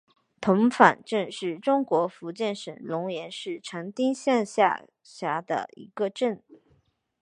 童坊镇是中国福建省龙岩市长汀县下辖的一个镇。